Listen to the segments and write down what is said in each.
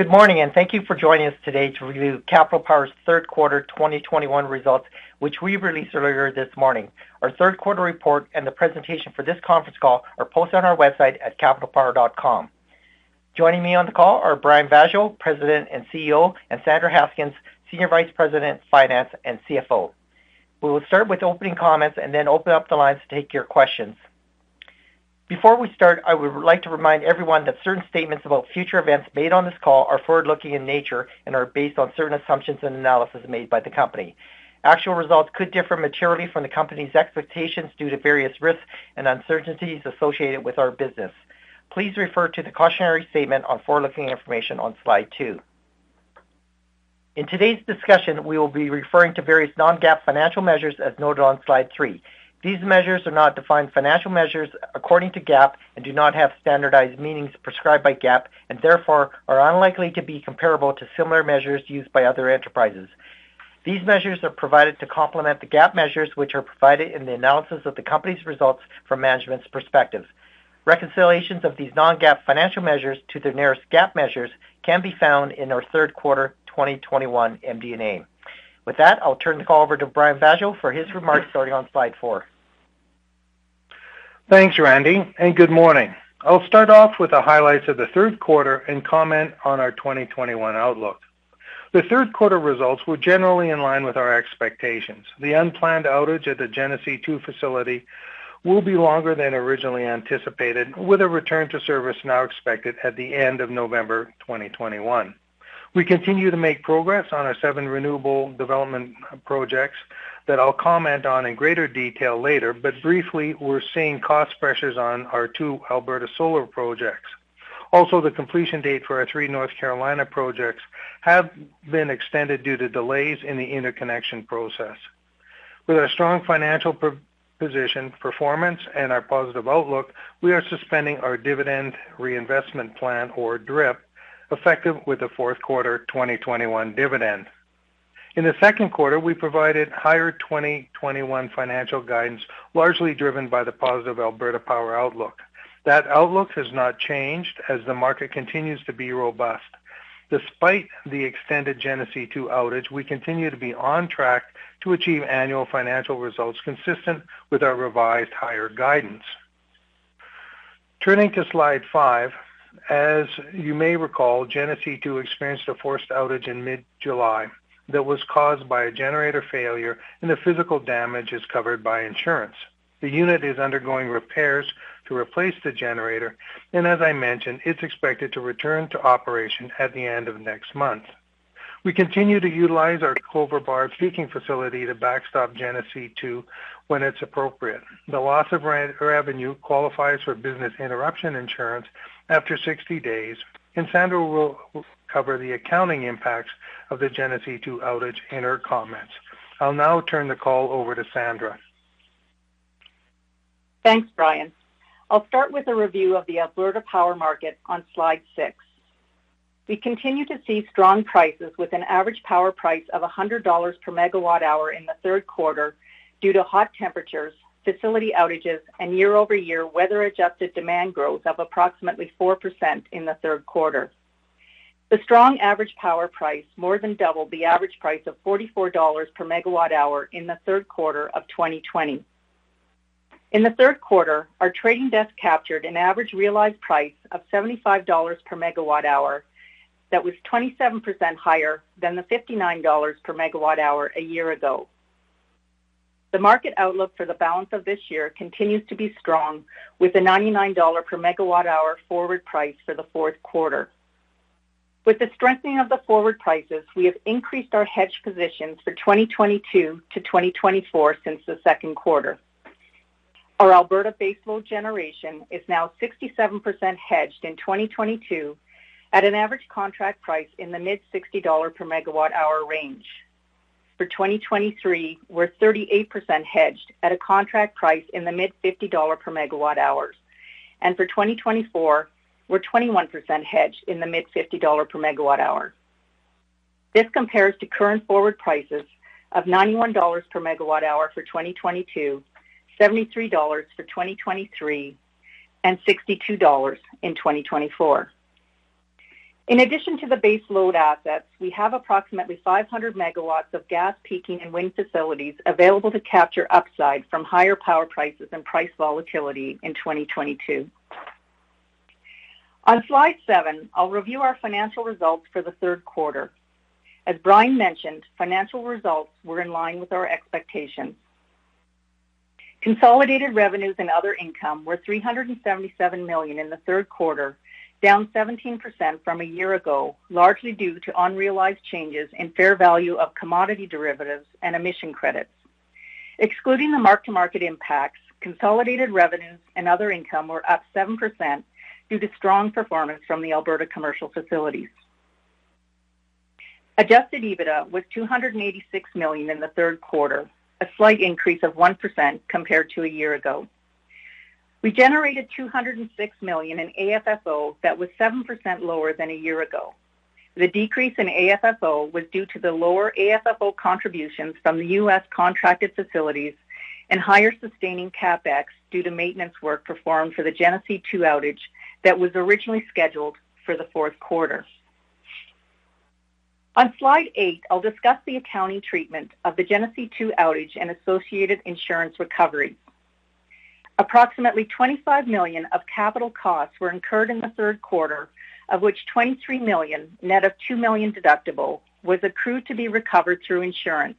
Good morning and thank you for joining us today to review Capital Power's third quarter 2021 results, which we released earlier this morning. Our third quarter report and the presentation for this conference call are posted on our website at capitalpower.com. Joining me on the call are Brian Vaasjo, President and CEO, and Sandra Haskins, Senior Vice President, Finance, and CFO. We will start with opening comments and then open up the lines to take your questions. Before we start, I would like to remind everyone that certain statements about future events made on this call are forward-looking in nature and are based on certain assumptions and analysis made by the company. Actual results could differ materially from the company's expectations due to various risks and uncertainties associated with our business. Please refer to the cautionary statement on forward-looking information on slide two. In today's discussion, we will be referring to various non-GAAP financial measures as noted on slide three. These measures are not defined financial measures according to GAAP and do not have standardized meanings prescribed by GAAP and therefore are unlikely to be comparable to similar measures used by other enterprises. These measures are provided to complement the GAAP measures which are provided in the analysis of the company's results from management's perspective. Reconciliations of these non-GAAP financial measures to their nearest GAAP measures can be found in our third quarter 2021 MD&A. With that, I'll turn the call over to Brian Vaasjo for his remarks, starting on slide four. Thanks, Randy, and good morning. I'll start off with the highlights of the third quarter and comment on our 2021 outlook. The third quarter results were generally in line with our expectations. The unplanned outage at the Genesee 2 facility will be longer than originally anticipated, with a return to service now expected at the end of November 2021. We continue to make progress on our seven renewable development projects that I'll comment on in greater detail later, but briefly, we're seeing cost pressures on our two Alberta solar projects. Also, the completion date for our three North Carolina projects have been extended due to delays in the interconnection process. With our strong financial position, performance and our positive outlook, we are suspending our dividend reinvestment plan or DRIP, effective with the fourth quarter 2021 dividend. In the second quarter, we provided higher 2021 financial guidance, largely driven by the positive Alberta power outlook. That outlook has not changed as the market continues to be robust. Despite the extended Genesee 2 outage, we continue to be on track to achieve annual financial results consistent with our revised higher guidance. Turning to slide five. As you may recall, Genesee 2 experienced a forced outage in mid-July that was caused by a generator failure, and the physical damage is covered by insurance. The unit is undergoing repairs to replace the generator, and as I mentioned, it's expected to return to operation at the end of next month. We continue to utilize our Clover Bar peaking facility to backstop Genesee 2 when it's appropriate. The loss of revenue qualifies for business interruption insurance after 60 days, and Sandra will cover the accounting impacts of the Genesee 2 outage in her comments. I'll now turn the call over to Sandra. Thanks, Brian. I'll start with a review of the Alberta power market on slide six. We continue to see strong prices with an average power price of 100 dollars per MWh in the third quarter due to hot temperatures, facility outages, and year-over-year weather-adjusted demand growth of approximately 4% in the third quarter. The strong average power price more than doubled the average price of 44 dollars per MWh in the third quarter of 2020. In the third quarter, our trading desk captured an average realized price of 75 dollars per MWh that was 27% higher than the 59 dollars per MWh a year ago. The market outlook for the balance of this year continues to be strong with a 99 dollar per MWh forward price for the fourth quarter. With the strengthening of the forward prices, we have increased our hedge positions for 2022 to 2024 since the second quarter. Our Alberta baseload generation is now 67% hedged in 2022 at an average contract price in the mid-CAD 60 per MWh range. For 2023, we're 38% hedged at a contract price in the mid-CAD 50 per MWh. For 2024, we're 21% hedged in the mid-CAD 50 per MWh. This compares to current forward prices of 91 dollars per MWh for 2022, 73 dollars per MWh for 2023, and 62 dollars per MWh in 2024. In addition to the baseload assets, we have approximately 500 MW of gas peaking and wind facilities available to capture upside from higher power prices and price volatility in 2022. On slide seven, I'll review our financial results for the third quarter. As Brian mentioned, financial results were in line with our expectations. Consolidated revenues and other income were 377 million in the third quarter, down 17% from a year ago, largely due to unrealized changes in fair value of commodity derivatives and emission credits. Excluding the mark-to-market impacts, consolidated revenues and other income were up 7% due to strong performance from the Alberta commercial facilities. Adjusted EBITDA was 286 million in the third quarter, a slight increase of 1% compared to a year ago. We generated 206 million in AFFO, that was 7% lower than a year ago. The decrease in AFFO was due to the lower AFFO contributions from the U.S. contracted facilities and higher sustaining CapEx due to maintenance work performed for the Genesee 2 outage that was originally scheduled for the fourth quarter. On slide eight, I'll discuss the accounting treatment of the Genesee 2 outage and associated insurance recovery. Approximately 25 million of capital costs were incurred in the third quarter, of which 23 million, net of 2 million deductible, was accrued to be recovered through insurance.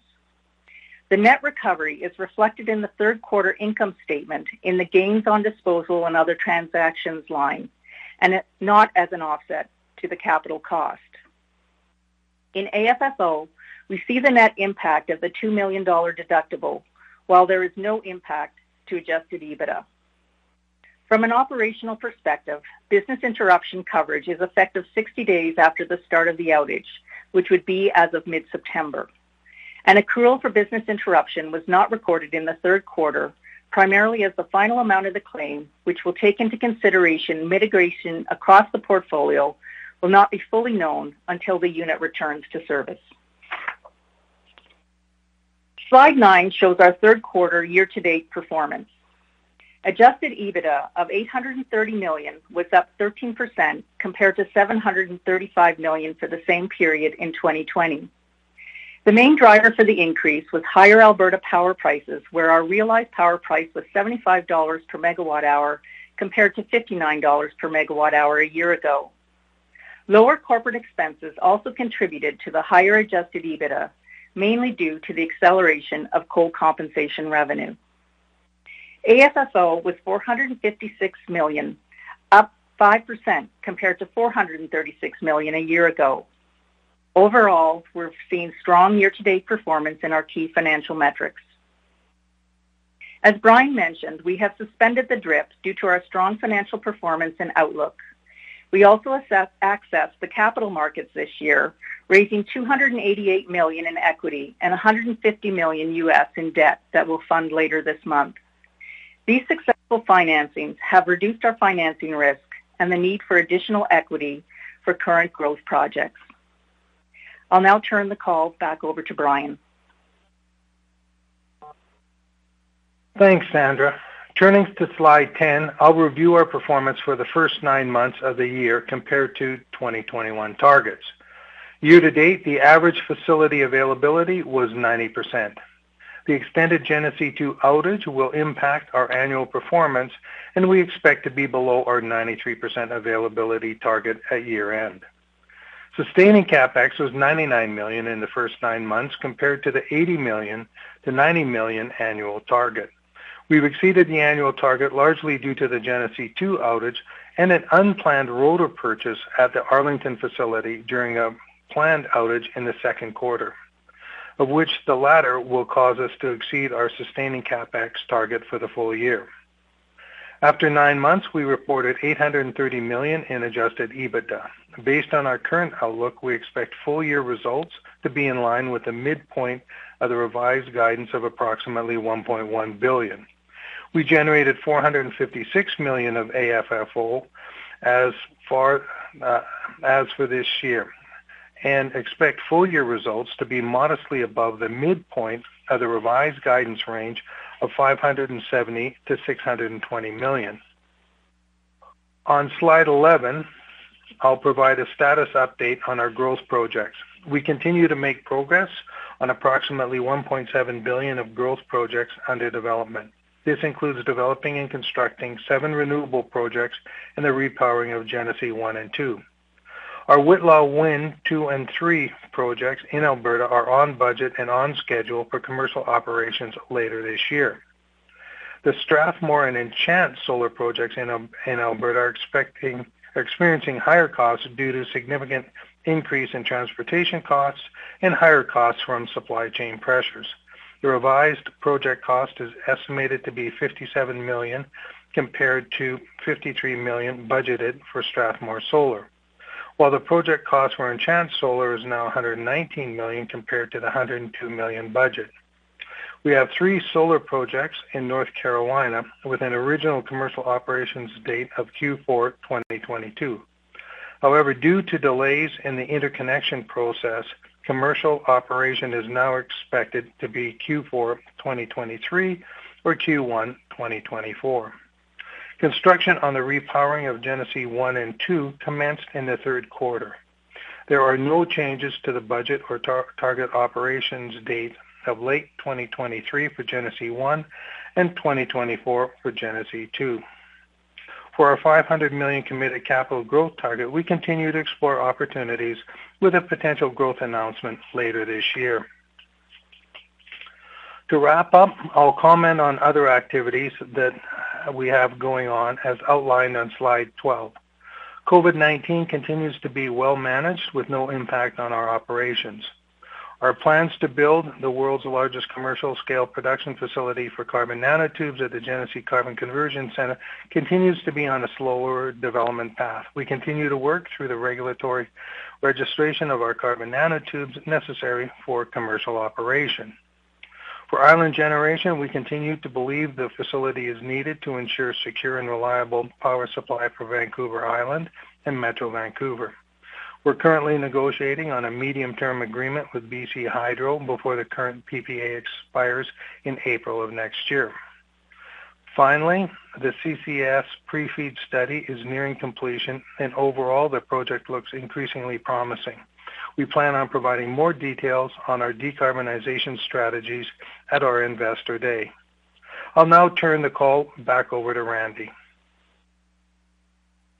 The net recovery is reflected in the third quarter income statement in the gains on disposal and other transactions line, and not as an offset to the capital cost. In AFFO, we see the net impact of the 2 million dollar deductible while there is no impact to adjusted EBITDA. From an operational perspective, business interruption coverage is effective 60 days after the start of the outage, which would be as of mid-September. An accrual for business interruption was not recorded in the third quarter, primarily as the final amount of the claim, which will take into consideration mitigation across the portfolio, will not be fully known until the unit returns to service. Slide nine shows our third quarter year-to-date performance. Adjusted EBITDA of 830 million was up 13% compared to 735 million for the same period in 2020. The main driver for the increase was higher Alberta power prices, where our realized power price was 75 dollars per MWh compared to 59 dollars per MWh a year ago. Lower corporate expenses also contributed to the higher adjusted EBITDA, mainly due to the acceleration of coal compensation revenue. AFFO was 456 million, up 5% compared to 436 million a year ago. Overall, we're seeing strong year-to-date performance in our key financial metrics. As Brian mentioned, we have suspended the DRIP due to our strong financial performance and outlook. We also accessed the capital markets this year, raising 288 million in equity and $150 million in debt that we'll fund later this month. These successful financings have reduced our financing risk and the need for additional equity for current growth projects. I'll now turn the call back over to Brian. Thanks, Sandra. Turning to slide 10, I'll review our performance for the first nine months of the year compared to 2021 targets. Year-to-date, the average facility availability was 90%. The extended Genesee 2 outage will impact our annual performance, and we expect to be below our 93% availability target at year-end. Sustaining CapEx was 99 million in the first nine months compared to the 80 million-90 million annual target. We've exceeded the annual target largely due to the Genesee 2 outage and an unplanned rotor purchase at the Arlington facility during a planned outage in the second quarter, of which the latter will cause us to exceed our sustaining CapEx target for the full year. After nine months, we reported 830 million in adjusted EBITDA. Based on our current outlook, we expect full-year results to be in line with the midpoint of the revised guidance of approximately 1.1 billion. We generated 456 million of AFFO as for this year and expect full-year results to be modestly above the midpoint of the revised guidance range of 570 million-620 million. On slide 11, I'll provide a status update on our growth projects. We continue to make progress on approximately 1.7 billion of growth projects under development. This includes developing and constructing seven renewable projects and the repowering of Genesee 1 and 2. Our Whitla Wind 2 and 3 projects in Alberta are on budget and on schedule for commercial operations later this year. The Strathmore and Enchant Solar projects in Alberta are experiencing higher costs due to significant increase in transportation costs and higher costs from supply chain pressures. The revised project cost is estimated to be 57 million compared to 53 million budgeted for Strathmore Solar. While the project costs for Enchant Solar is now 119 million compared to 102 million budget. We have three solar projects in North Carolina with an original commercial operations date of Q4 2022. However, due to delays in the interconnection process, commercial operation is now expected to be Q4 2023 or Q1 2024. Construction on the repowering of Genesee 1 and 2 commenced in the third quarter. There are no changes to the budget or target operations date of late 2023 for Genesee 1 and 2024 for Genesee 2. For our 500 million committed capital growth target, we continue to explore opportunities with a potential growth announcement later this year. To wrap up, I'll comment on other activities that we have going on as outlined on slide 12. COVID-19 continues to be well managed with no impact on our operations. Our plans to build the world's largest commercial scale production facility for carbon nanotubes at the Genesee Carbon Conversion Centre continues to be on a slower development path. We continue to work through the regulatory registration of our carbon nanotubes necessary for commercial operation. For Island Generation, we continue to believe the facility is needed to ensure secure and reliable power supply for Vancouver Island and Metro Vancouver. We're currently negotiating on a medium-term agreement with BC Hydro before the current PPA expires in April of next year. Finally, the CCS pre-FEED study is nearing completion, and overall, the project looks increasingly promising. We plan on providing more details on our decarbonization strategies at our Investor Day. I'll now turn the call back over to Randy.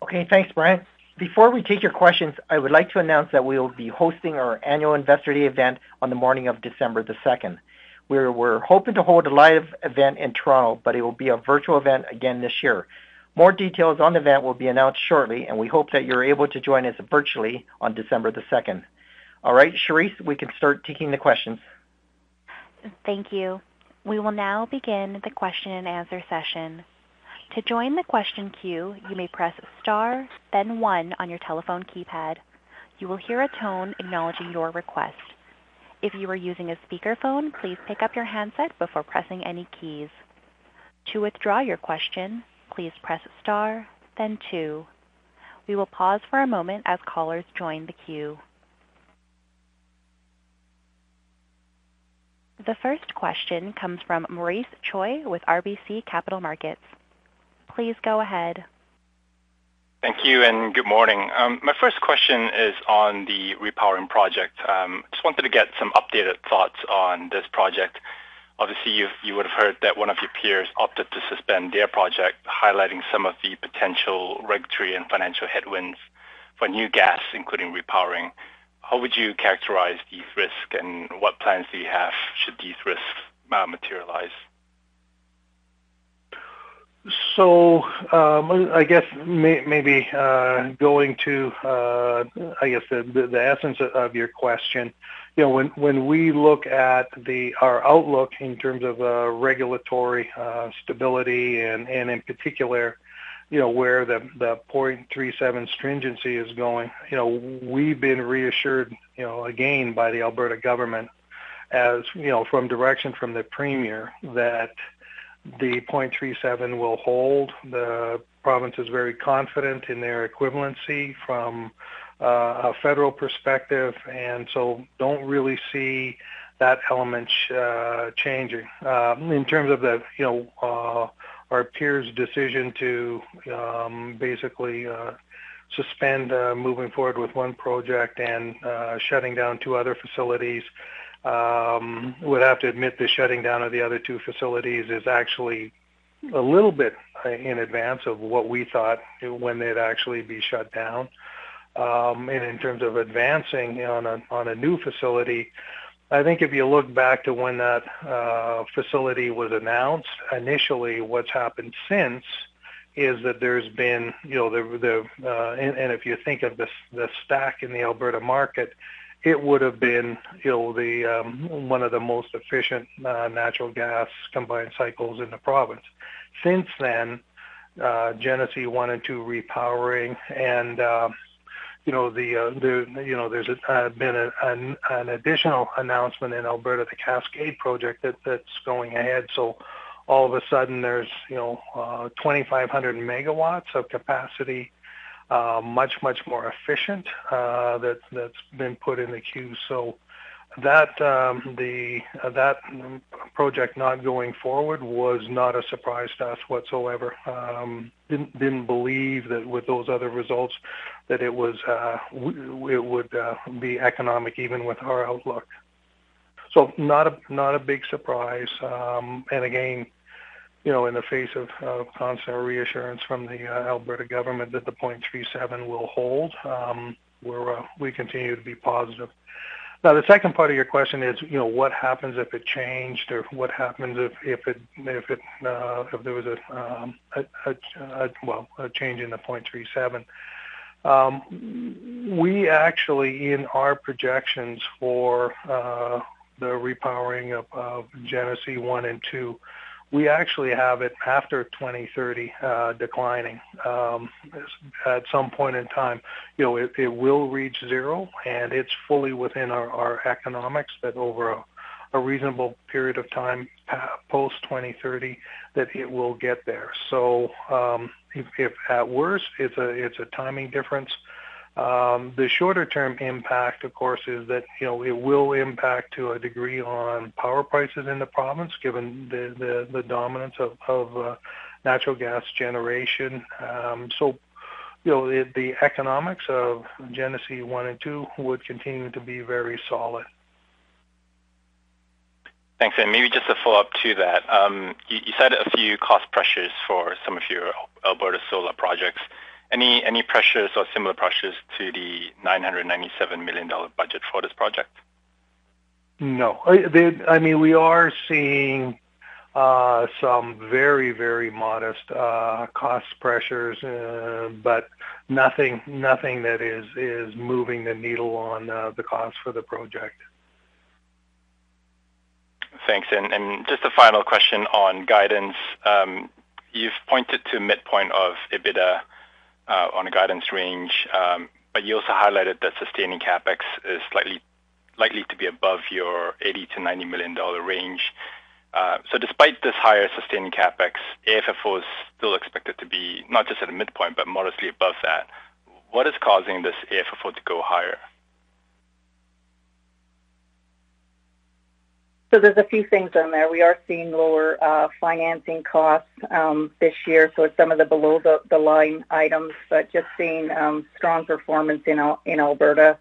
Okay, thanks, Brian. Before we take your questions, I would like to announce that we will be hosting our annual Investor Day event on the morning of December the 2nd. We were hoping to hold a live event in Toronto, but it will be a virtual event again this year. More details on the event will be announced shortly, and we hope that you're able to join us virtually on December the 2nd. All right, Cherise, we can start taking the questions. Thank you. We will now begin the question-and-answer session. To join the question queue, you may press star then one on your telephone keypad. You will hear a tone acknowledging your request. If you are using a speakerphone, please pick up your handset before pressing any keys. To withdraw your question, please press star then two. We will pause for a moment as callers join the queue. The first question comes from Maurice Choy with RBC Capital Markets. Please go ahead. Thank you and good morning. My first question is on the repowering project. Just wanted to get some updated thoughts on this project. Obviously, you would have heard that one of your peers opted to suspend their project, highlighting some of the potential regulatory and financial headwinds for new gas, including repowering. How would you characterize these risks, and what plans do you have should these risks materialize? I guess maybe going to the essence of your question. You know, when we look at our outlook in terms of regulatory stability and in particular, you know, where the 0.37 tCO₂/MWh stringency is going. You know, we've been reassured, you know, again, by the Alberta government, as you know, from direction from the Premier that the 0.37 tCO₂/MWh will hold. The province is very confident in their equivalency from a federal perspective, and so don't really see that element changing. In terms of, you know, our peer's decision to basically suspend moving forward with one project and shutting down two other facilities. Would have to admit the shutting down of the other two facilities is actually a little bit in advance of what we thought when they'd actually be shut down. In terms of advancing on a new facility, I think if you look back to when that facility was announced, initially what's happened since is that there's been, you know, the stack in the Alberta market. It would have been, you know, one of the most efficient natural gas combined cycles in the province. Since then, Genesee 1 and 2 repowering and, you know, there's been an additional announcement in Alberta, the Cascade project that's going ahead. All of a sudden there's, you know, 2,500 MW of capacity, much more efficient, that's been put in the queue. That project not going forward was not a surprise to us whatsoever. Didn't believe that with those other results that it was it would be economic even with our outlook. Not a big surprise. And again, you know, in the face of constant reassurance from the Alberta government that the 0.37 tCO₂/MWh will hold, we continue to be positive. Now, the second part of your question is, you know, what happens if it changed or what happens if it if there was a change in the 0.37 tCO₂/MWh? We actually in our projections for the repowering of Genesee 1 and 2, we actually have it after 2030 declining. At some point in time, you know, it will reach zero, and it's fully within our economics that over a reasonable period of time, post-2030 that it will get there. If at worst, it's a timing difference. The shorter-term impact, of course, is that, you know, it will impact to a degree on power prices in the province, given the dominance of natural gas generation. You know, the economics of Genesee 1 and 2 would continue to be very solid. Thanks. Maybe just a follow-up to that. You said a few cost pressures for some of your Alberta solar projects. Any pressures or similar pressures to the 997 million dollar budget for this project? No. I mean, we are seeing some very, very modest cost pressures, but nothing that is moving the needle on the cost for the project. Thanks. Just a final question on guidance. You've pointed to midpoint of EBITDA on a guidance range. But you also highlighted that sustaining CapEx is likely to be slightly above your 80 million-90 million dollar range. So despite this higher sustaining CapEx, AFFO is still expected to be not just at a midpoint, but modestly above that. What is causing this AFFO to go higher? There's a few things in there. We are seeing lower financing costs this year. Some of the below-the-line items, but just seeing strong performance in Alberta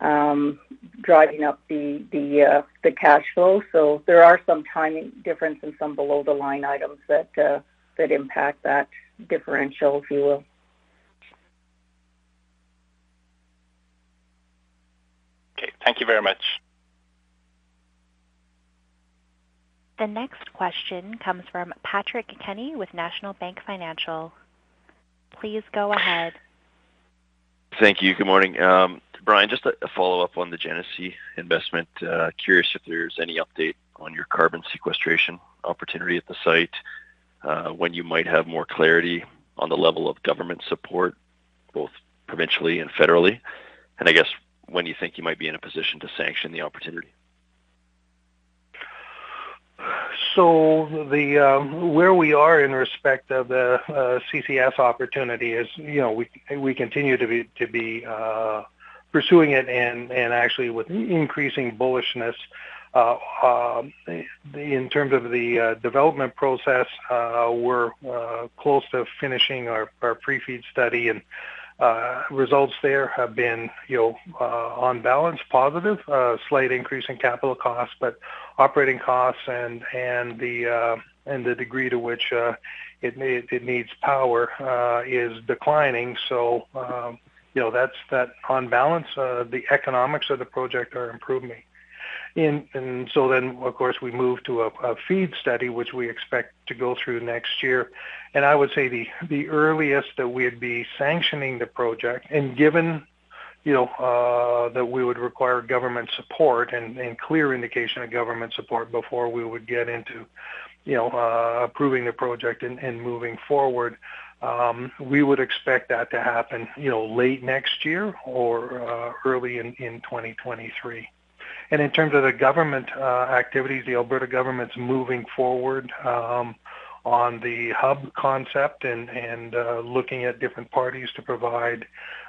driving up the cash flow. There are some timing difference in some below-the-line items that impact that differential, if you will. Okay. Thank you very much. The next question comes from Patrick Kenny with National Bank Financial. Please go ahead. Thank you. Good morning. Brian, just a follow-up on the Genesee investment. Curious if there's any update on your carbon sequestration opportunity at the site, when you might have more clarity on the level of government support, both provincially and federally, and I guess when you think you might be in a position to sanction the opportunity. Where we are in respect of the CCS opportunity is, you know, we continue to be pursuing it and actually with increasing bullishness. In terms of the development process, we're close to finishing our pre-FEED study. Results there have been, you know, on balance positive, a slight increase in capital costs, but operating costs and the degree to which it needs power is declining. You know, that's that on balance, the economics of the project are improving. Of course, we move to a FEED study, which we expect to go through next year. I would say the earliest that we'd be sanctioning the project and given you know that we would require government support and clear indication of government support before we would get into you know approving the project and moving forward, we would expect that to happen you know late next year or early in 2023. In terms of the government activities, the Alberta government's moving forward on the hub concept and looking at different parties to provide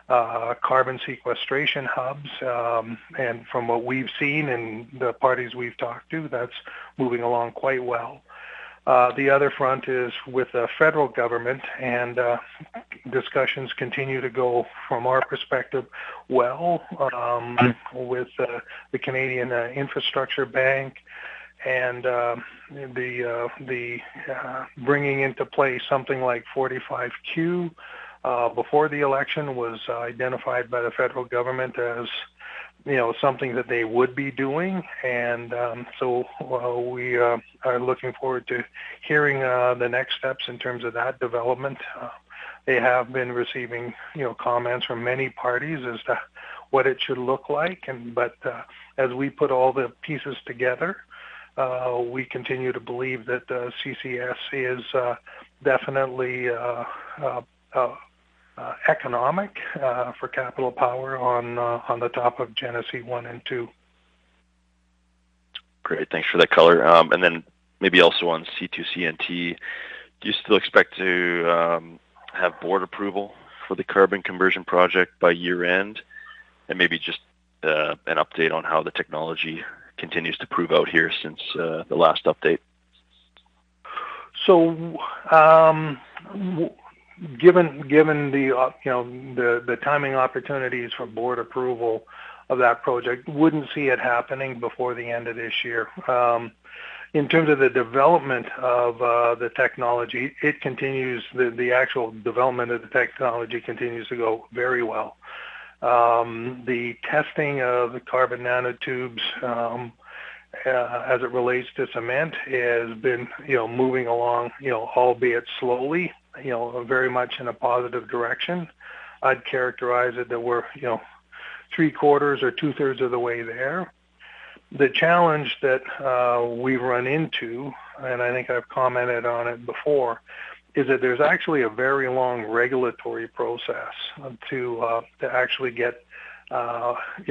carbon sequestration hubs. From what we've seen and the parties we've talked to, that's moving along quite well. The other front is with the federal government, and discussions continue to go from our perspective well with the Canada Infrastructure Bank. Bringing into play something like Section 45Q before the election was identified by the federal government as, you know, something that they would be doing. We are looking forward to hearing the next steps in terms of that development. They have been receiving, you know, comments from many parties as to what it should look like. As we put all the pieces together, we continue to believe that CCS is definitely economic for Capital Power on the top of Genesee 1 and 2. Great. Thanks for that color. Maybe also on C2CNT, do you still expect to have Board approval for the carbon conversion project by year end? Maybe just an update on how the technology continues to prove out here since the last update. Given the timing opportunities for Board approval of that project, wouldn't see it happening before the end of this year. In terms of the development of the technology, the actual development of the technology continues to go very well. The testing of the carbon nanotubes as it relates to cement has been moving along, albeit slowly, very much in a positive direction. I'd characterize it that we're three-quarters or 2/3 of the way there. The challenge that we run into, and I think I've commented on it before, is that there's actually a very long regulatory process to actually get you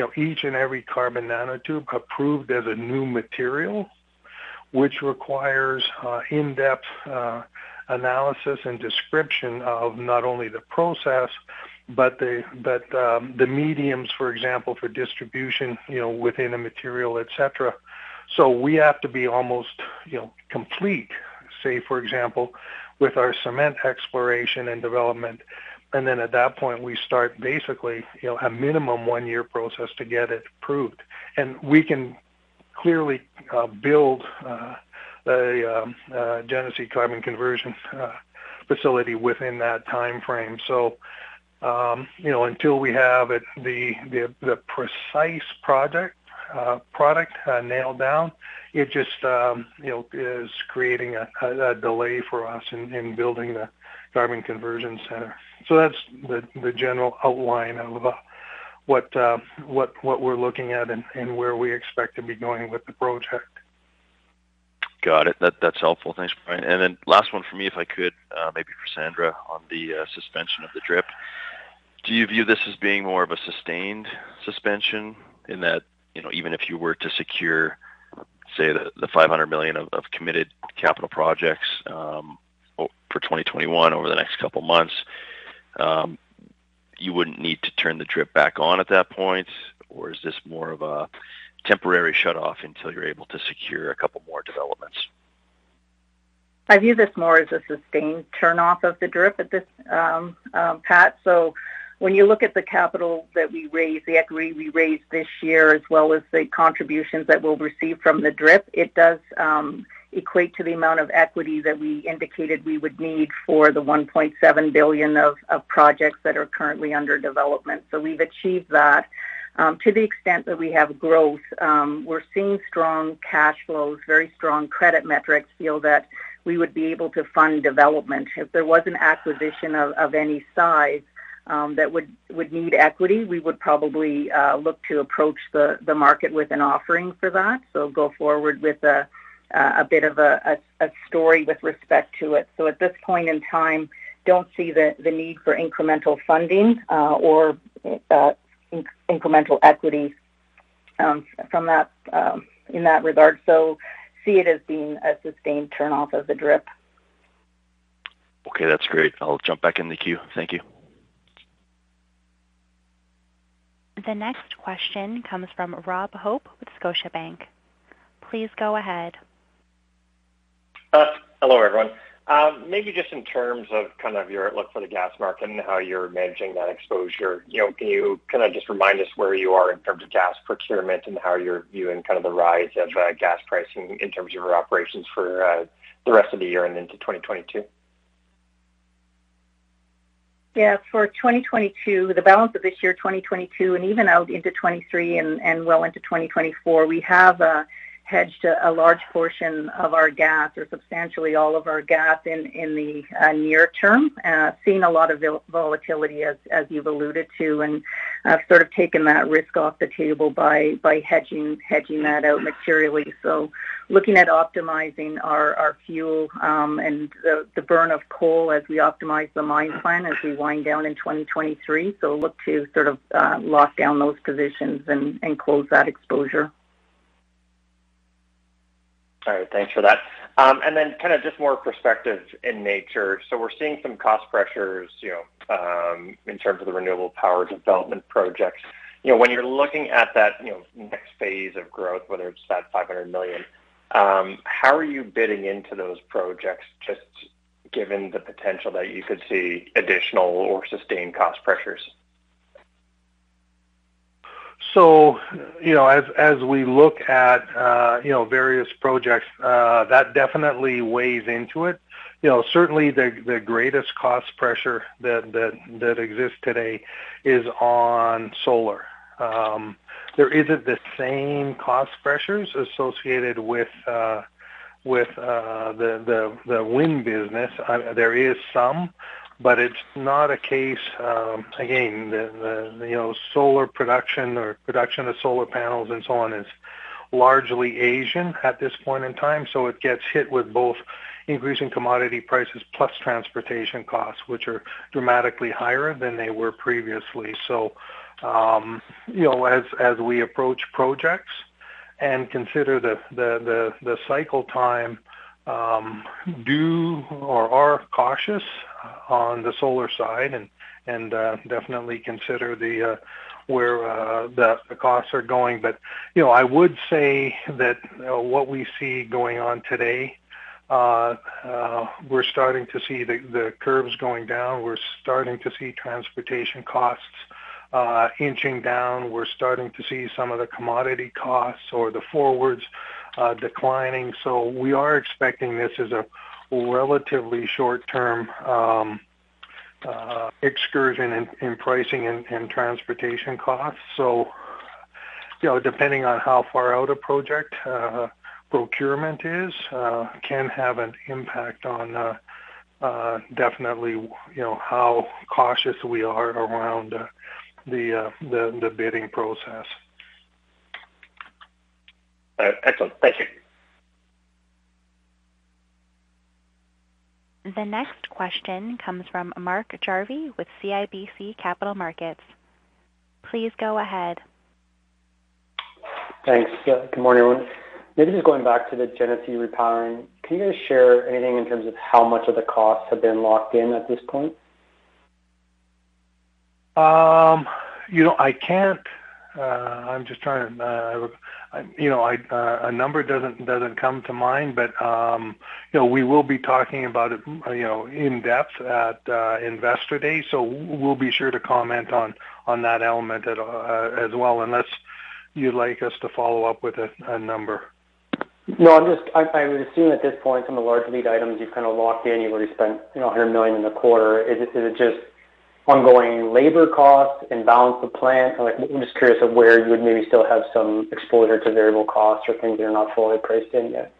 know, each and every carbon nanotube approved as a new material, which requires in-depth analysis and description of not only the process, but the mediums, for example, for distribution, you know, within a material, et cetera. We have to be almost you know, complete, say, for example, with our cement exploration and development. At that point, we start basically you know, a minimum one-year process to get it approved. We can clearly build a Genesee carbon conversion facility within that timeframe. You know, until we have the precise product nailed down, it just you know is creating a delay for us in building the carbon conversion center. That's the general outline of what we're looking at and where we expect to be going with the project. Got it. That's helpful. Thanks, Brian. Then last one for me, if I could, maybe for Sandra on the suspension of the DRIP. Do you view this as being more of a sustained suspension in that, you know, even if you were to secure, say, the 500 million of committed capital projects for 2021 over the next couple months, you wouldn't need to turn the DRIP back on at that point? Or is this more of a temporary shutoff until you're able to secure a couple more developments? I view this more as a sustained turnoff of the DRIP at this, Pat. When you look at the capital that we raised, the equity we raised this year as well as the contributions that we'll receive from the DRIP, it does equate to the amount of equity that we indicated we would need for the 1.7 billion of projects that are currently under development. We've achieved that. To the extent that we have growth, we're seeing strong cash flows, very strong credit metrics. We feel that we would be able to fund development. If there was an acquisition of any size that would need equity, we would probably look to approach the market with an offering for that. Going forward with a bit of a story with respect to it. At this point in time, don't see the need for incremental funding or incremental equity from that in that regard. See it as being a sustained turn off of the DRIP. Okay, that's great. I'll jump back in the queue. Thank you. The next question comes from Rob Hope with Scotiabank. Please go ahead. Hello, everyone. Maybe just in terms of kind of your outlook for the gas market and how you're managing that exposure. You know, can I just remind us where you are in terms of gas procurement and how you're viewing kind of the rise of gas pricing in terms of your operations for the rest of the year and into 2022? Yeah. For 2022, the balance of this year, 2022, and even out into 2023 and well into 2024, we have hedged a large portion of our gas or substantially all of our gas in the near term. Seeing a lot of volatility as you've alluded to, and have sort of taken that risk off the table by hedging that out materially. Looking at optimizing our fuel and the burn of coal as we optimize the mine plan as we wind down in 2023. Look to sort of lock down those positions and close that exposure. All right. Thanks for that. Kind of just more perspective in nature. We're seeing some cost pressures, you know, in terms of the renewable power development projects. You know, when you're looking at that, you know, next phase of growth, whether it's that 500 million, how are you bidding into those projects just given the potential that you could see additional or sustained cost pressures? You know, as we look at you know, various projects, that definitely weighs into it. You know, certainly the greatest cost pressure that exists today is on solar. There isn't the same cost pressures associated with the wind business. There is some, but it's not a case, again, the, you know, solar production or production of solar panels and so on is largely Asian at this point in time, so it gets hit with both increasing commodity prices plus transportation costs, which are dramatically higher than they were previously. You know, as we approach projects and consider the cycle time, we are cautious on the solar side and definitely consider where the costs are going. You know, I would say that what we see going on today, we're starting to see the curves going down. We're starting to see transportation costs inching down. We're starting to see some of the commodity costs or the forwards declining. We are expecting this as a relatively short-term excursion in pricing and transportation costs. You know, depending on how far out a project procurement is can have an impact on definitely you know how cautious we are around the bidding process. All right. Excellent. Thank you. The next question comes from Mark Jarvi with CIBC Capital Markets. Please go ahead. Thanks. Good morning, everyone. Maybe just going back to the Genesee Repowering. Can you guys share anything in terms of how much of the costs have been locked in at this point? You know, I can't, I'm just trying to, you know, a number doesn't come to mind, but, you know, we will be talking about it, you know, in depth at Investor Day. We'll be sure to comment on that element as well, unless you'd like us to follow up with a number. No, I would assume at this point some of the large lead items you've kind of locked in, you've already spent, you know, 100 million in the quarter. Is it just ongoing labor costs and balance of plant? I'm like, I'm just curious of where you would maybe still have some exposure to variable costs or things that are not fully priced in yet.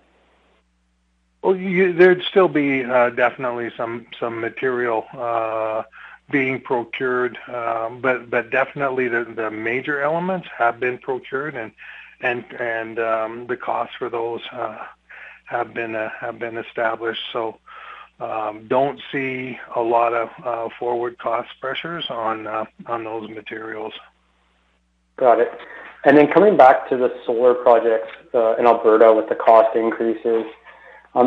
Well, there'd still be definitely some material being procured. But definitely the major elements have been procured and the costs for those have been established. Don't see a lot of forward cost pressures on those materials. Got it. Coming back to the solar projects in Alberta with the cost increases.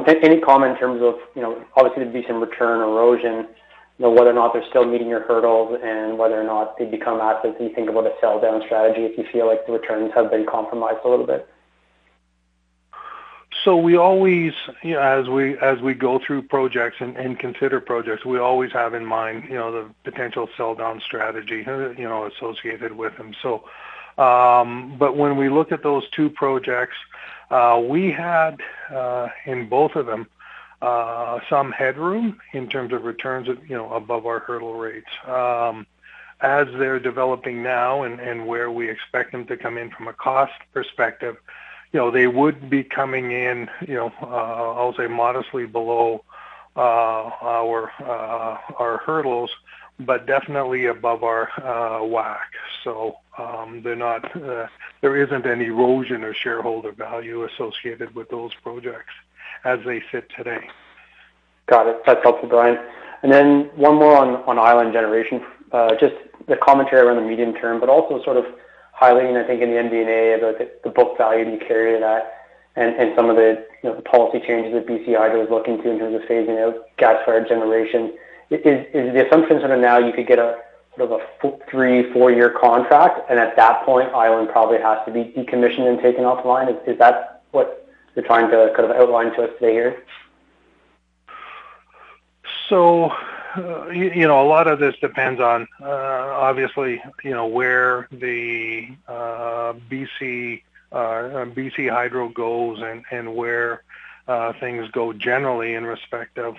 Any comment in terms of, you know, obviously there'd be some return erosion, you know, whether or not they're still meeting your hurdles and whether or not they become assets, you think about a sell down strategy if you feel like the returns have been compromised a little bit. We always, you know, as we go through projects and consider projects, we always have in mind, you know, the potential sell down strategy, you know, associated with them. When we look at those two projects, we had in both of them some headroom in terms of returns of, you know, above our hurdle rates. As they're developing now and where we expect them to come in from a cost perspective, you know, they would be coming in, you know, I'll say modestly below our hurdles, but definitely above our WACC. They're not, there isn't any erosion of shareholder value associated with those projects as they sit today. Got it. That's helpful, Brian. One more on Island Generation. Just the commentary around the medium term, but also sort of highlighting, I think in the MD&A about the book value that you carry in that and some of the, you know, the policy changes that BC Hydro is looking to in terms of phasing out gas-fired generation. Is the assumption sort of now you could get a sort of a three, four-year contract, and at that point Island probably has to be decommissioned and taken offline. Is that what you're trying to kind of outline to us today here? You know, a lot of this depends on obviously, you know, where the BC Hydro goes and where things go generally in respect of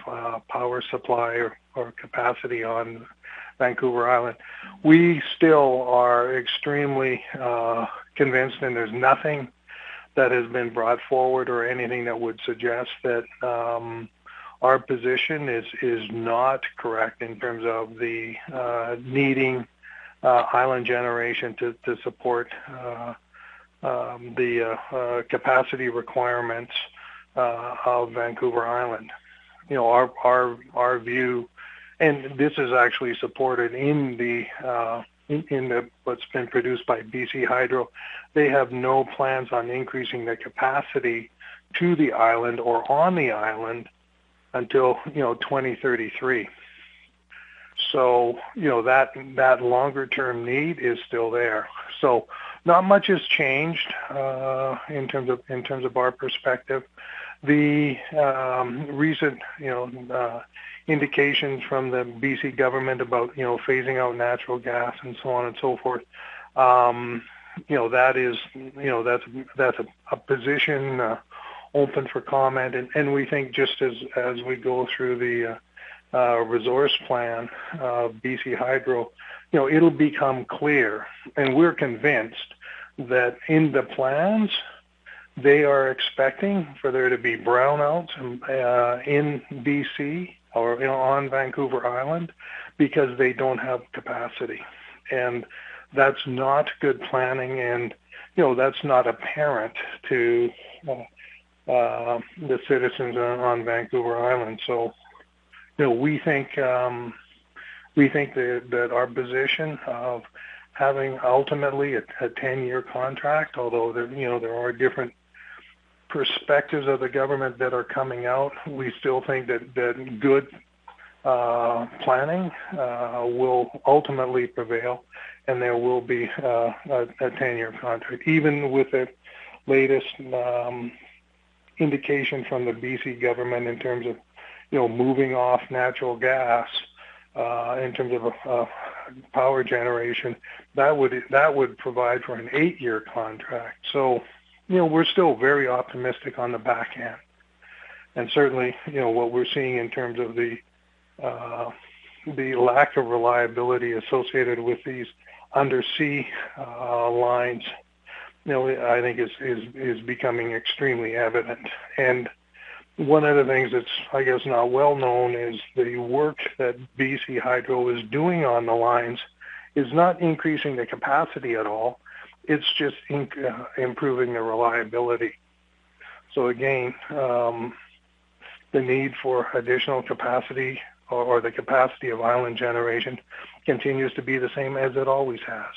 power supply or capacity on Vancouver Island. We still are extremely convinced, and there's nothing that has been brought forward or anything that would suggest that our position is not correct in terms of the needing Island Generation to support the capacity requirements of Vancouver Island. You know, our view, and this is actually supported in what's been produced by BC Hydro. They have no plans on increasing their capacity to the island or on the island until, you know, 2033. You know, that longer term need is still there. Not much has changed in terms of our perspective. The recent, you know, indications from the B.C. government about, you know, phasing out natural gas and so on and so forth. You know, that is, you know, that's a position open for comment. We think just as we go through the resource plan of BC Hydro, you know, it'll become clear. We're convinced that in the plans, they are expecting for there to be brownouts in B.C. or, you know, on Vancouver Island because they don't have capacity. That's not good planning. You know, that's not apparent to the citizens on Vancouver Island. You know, we think that our position of having ultimately a 10-year contract, although there are different perspectives of the government that are coming out. We still think that good planning will ultimately prevail. There will be a 10-year contract. Even with the latest indication from the B.C. government in terms of moving off natural gas in terms of power generation, that would provide for an eight-year contract. You know, we're still very optimistic on the back end. Certainly, you know, what we're seeing in terms of the lack of reliability associated with these undersea lines, you know, I think is becoming extremely evident. One of the things that's, I guess, not well known is the work that BC Hydro is doing on the lines is not increasing the capacity at all. It's just improving the reliability. Again, the need for additional capacity or the capacity of Island Generation continues to be the same as it always has.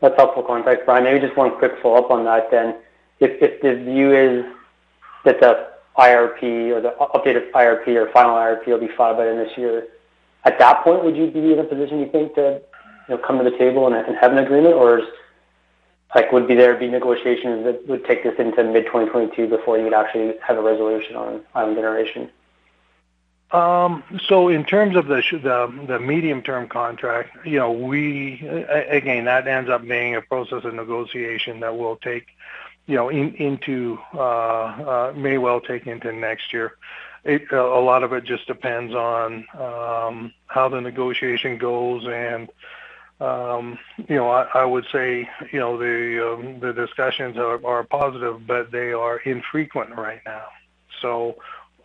That's helpful context, Brian. Maybe just one quick follow-up on that then. If the view is that the IRP or the updated IRP or final IRP will be filed by the end of this year, at that point, would you be in a position you think to, you know, come to the table and have an agreement? Or like, would there be negotiations that would take this into mid-2022 before you would actually have a resolution on Island Generation? So in terms of the medium-term contract, you know, we again, that ends up being a process of negotiation that will take, you know, may well take into next year. A lot of it just depends on how the negotiation goes and you know, I would say, you know, the discussions are positive, but they are infrequent right now.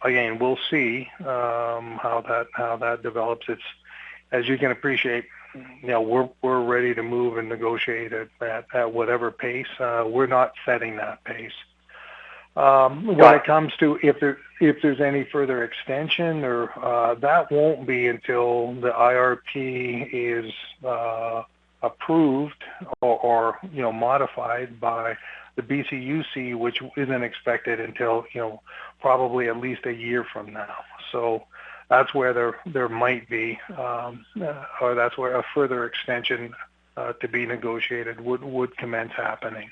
Again, we'll see how that develops. It is as you can appreciate, you know, we're ready to move and negotiate at whatever pace. We're not setting that pace. Got it. When it comes to if there's any further extension or that won't be until the IRP is approved or, you know, modified by the BCUC, which isn't expected until, you know, probably at least a year from now. So that's where there might be or that's where a further extension to be negotiated would commence happening.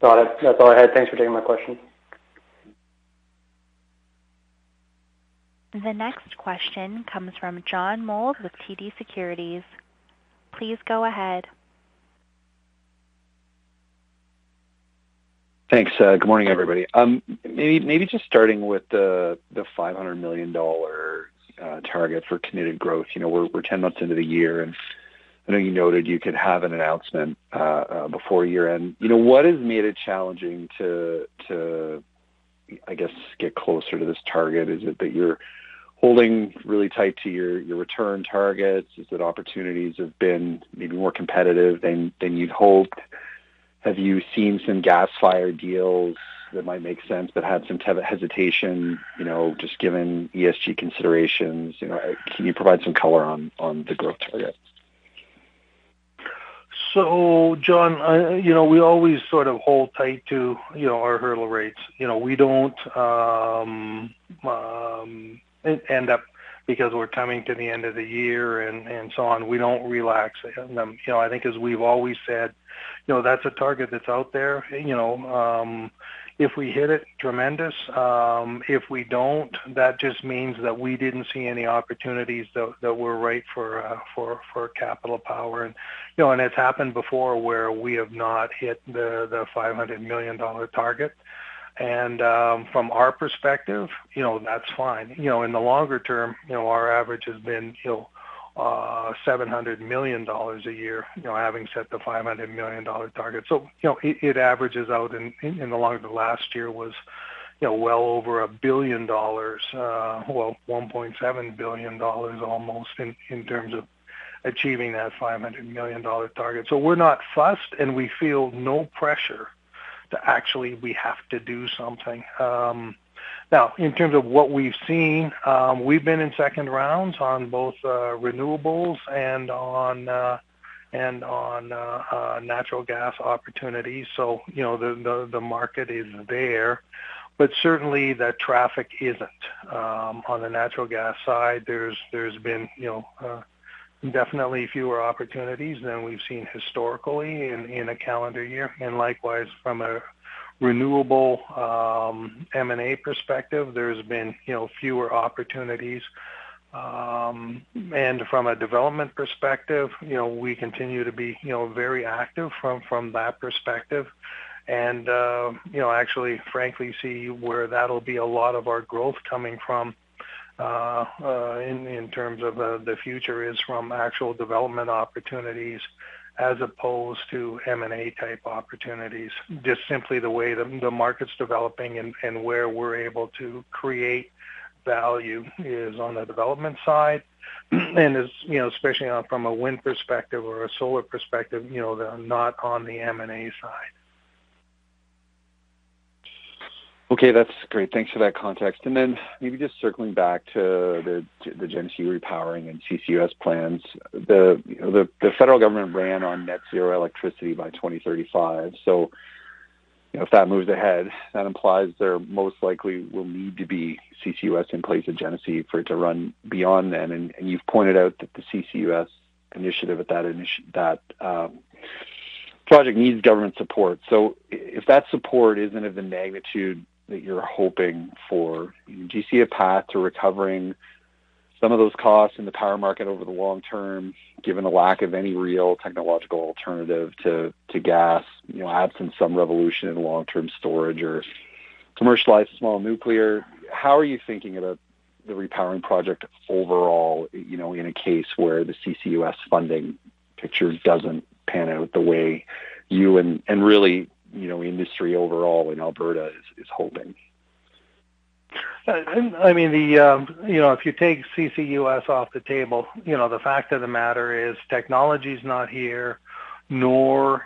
Got it. That's all I had. Thanks for taking my question. The next question comes from John Mould with TD Securities. Please go ahead. Thanks. Good morning, everybody. Maybe just starting with the 500 million dollar target for committed growth. You know, we're 10 months into the year, and I know you noted you could have an announcement before year-end. You know, what has made it challenging to I guess get closer to this target? Is it that you're holding really tight to your return targets? Is it opportunities have been maybe more competitive than you'd hoped? Have you seen some gas-fired deals that might make sense but had some hesitation, you know, just given ESG considerations? You know, can you provide some color on the growth targets? John, you know, we always sort of hold tight to, you know, our hurdle rates. You know, we don't end up because we're coming to the end of the year and so on. We don't relax. You know, I think as we've always said, you know, that's a target that's out there. You know, if we hit it, tremendous. If we don't, that just means that we didn't see any opportunities that were right for Capital Power. You know, it's happened before where we have not hit the 500 million dollar target. From our perspective, you know, that's fine. You know, in the longer term, you know, our average has been, you know, 700 million dollars a year, you know, having set the 500 million dollar target. The last year was, you know, well over 1 billion dollars, well, 1.7 billion dollars almost in terms of achieving that 500 million dollar target. We're not fussed, and we feel no pressure to actually we have to do something. Now in terms of what we've seen, we've been in second rounds on both renewables and natural gas opportunities. You know, the market is there, but certainly the traffic isn't. On the natural gas side, there's been, you know, definitely fewer opportunities than we've seen historically in a calendar year. Likewise, from a renewable M&A perspective, there's been, you know, fewer opportunities. From a development perspective, you know, we continue to be very active from that perspective. You know, actually, frankly, we see where that'll be a lot of our growth coming from in terms of the future from actual development opportunities as opposed to M&A-type opportunities. Just simply the way the market's developing and where we're able to create value is on the development side. You know, especially from a wind perspective or a solar perspective, they're not on the M&A side. Okay, that's great. Thanks for that context. Maybe just circling back to the Genesee Repowering and CCUS plans. The federal government ran on net zero electricity by 2035. You know, if that moves ahead, that implies there most likely will need to be CCUS in place at Genesee for it to run beyond then. You've pointed out that the CCUS initiative at that project needs government support. If that support isn't of the magnitude that you're hoping for, do you see a path to recovering some of those costs in the power market over the long term, given the lack of any real technological alternative to gas, you know, absent some revolution in long-term storage or commercialized small nuclear? How are you thinking about the repowering project overall, you know, in a case where the CCUS funding picture doesn't pan out the way you and really, you know, industry overall in Alberta is hoping? I mean, you know, if you take CCUS off the table, you know, the fact of the matter is technology's not here, nor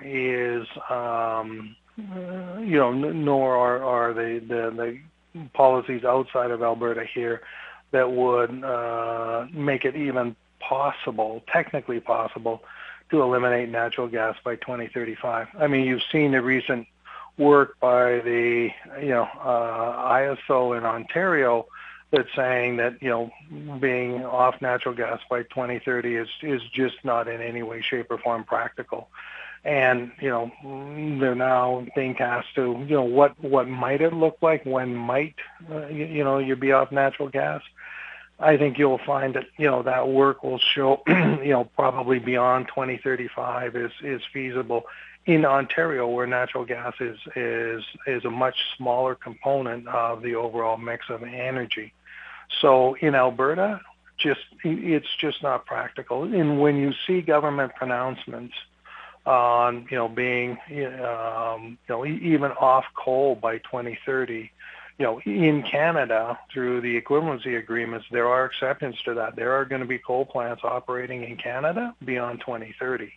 are the policies outside of Alberta here that would make it even possible, technically possible to eliminate natural gas by 2035. I mean, you've seen the recent work by the ISO in Ontario that's saying that, you know, being off natural gas by 2030 is just not in any way, shape, or form practical. You know, they're now being tasked to, you know, what might it look like? When might you know, you be off natural gas? I think you'll find that, you know, that work will show, you know, probably beyond 2035 is feasible in Ontario, where natural gas is a much smaller component of the overall mix of energy. In Alberta, just it's just not practical. When you see government pronouncements on, you know, being, you know, even off coal by 2030. You know, in Canada, through the equivalency agreements, there are exceptions to that. There are gonna be coal plants operating in Canada beyond 2030.